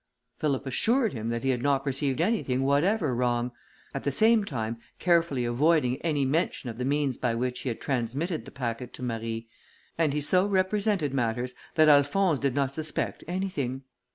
Philip assured him that he had not perceived anything whatever wrong; at the same time carefully avoiding any mention of the means by which he had transmitted the packet to Marie; and he so represented matters, that Alphonse did not suspect anything.